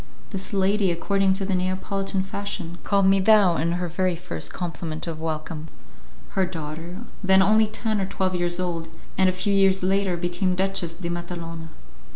This lady, according to the Neapolitan fashion, called me thou in her very first compliment of welcome. Her daughter, then only ten or twelve years old, was very handsome, and a few years later became Duchess de Matalona.